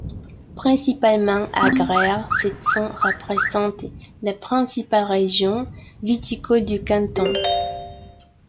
Principalement agraire, cette zone représente la principale région viticole du canton.